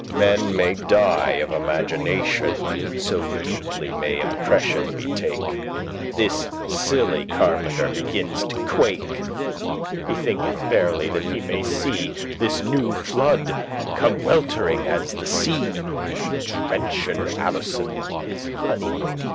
Men may die of imagination, So deeply may impression be take. This silly carpenter begins to quake: He thinketh verily that he may see This newe flood come weltering as the sea To drenchen* Alison, his honey dear.